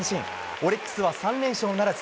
オリックスは３連勝ならず。